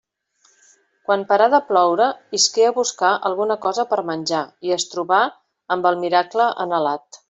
Quan parà de ploure isqué a buscar alguna cosa per a menjar i es trobà amb el miracle anhelat.